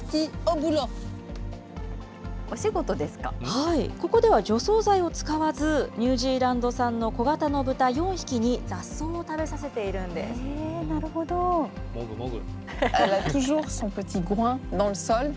はい、ここでは除草剤を使わず、ニュージーランド産の小型の豚４匹に雑草を食べさせているんです。もぐもぐ。